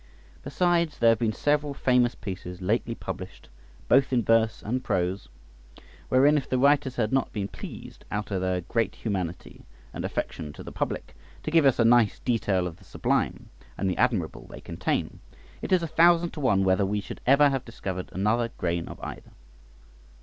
Besides, there have been several famous pieces lately published, both in verse and prose, wherein if the writers had not been pleased, out of their great humanity and affection to the public, to give us a nice detail of the sublime and the admirable they contain, it is a thousand to one whether we should ever have discovered one grain of either.